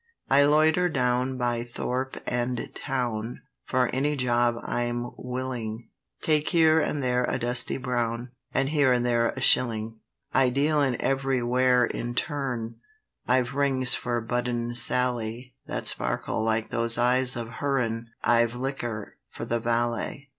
"I loiter down by thorp and town; For any job I'm willing; Take here and there a dusty brown, And here and there a shilling. "I deal in every ware in turn, I've rings for buddin' Sally That sparkle like those eyes of her'n; I've liquor for the valet.